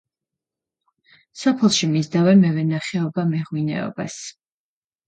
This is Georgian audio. სოფელში მისდევენ მევენახეობა-მეღვინეობას.